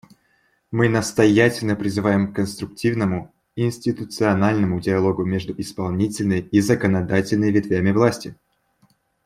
Мы настоятельно призываем к конструктивному институциональному диалогу между исполнительной и законодательной ветвями власти.